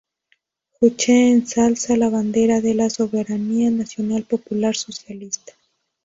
Juche ensalza la bandera de la soberanía nacional popular socialista.